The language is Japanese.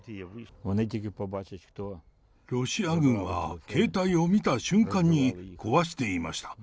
ロシア軍は、携帯を見た瞬間に、壊していました。